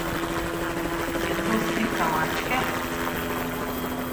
Je to slika mačke?